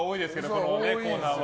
このコーナーは。